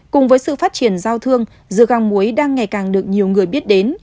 cùng với sự phát triển giao thương dưa găng muối đang ngày càng được nhiều người biết đến